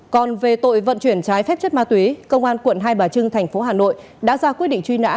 còn về tội vận chuyển trái phép chất ma túy công an tp hà nội đã ra quyết định truy nã